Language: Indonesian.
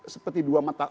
seperti dua mata uang